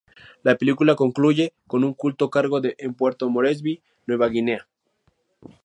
La película concluye con un culto cargo en Puerto Moresby, Nueva Guinea.